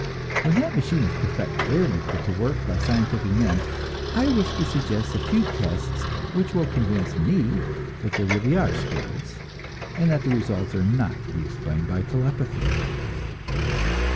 When that machine is perfected and put to work by scientific men, I wish to suggest a few tests which will convince me that there really are spirits, and that the results are not to be explained by telepathy.